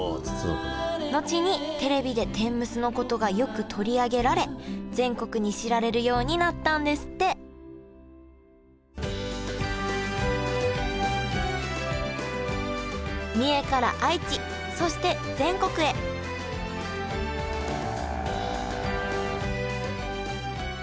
後にテレビで天むすのことがよく取り上げられ全国に知られるようになったんですって三重から愛知そして全国へへえ。